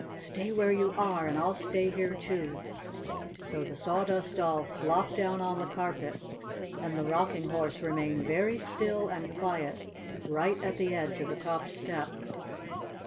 "Stay where you are and I'll stay here too!" So the Sawdust Doll flopped down on the carpet and the Rocking Horse remained very still and quiet right at the edge of the top step.